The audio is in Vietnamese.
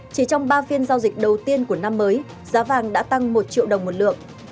chỉ trong ba phiên giao dịch đầu tiên của năm mới giá vàng đã tăng một triệu đồng một lượng